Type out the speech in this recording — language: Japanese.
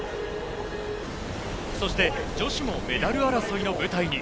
そして、女子もメダル争いの舞台に。